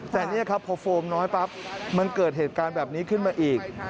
แต่นี่ครับพอโฟมน้อยปั๊บมันเกิดเหตุการณ์แบบนี้ขึ้นมาอีก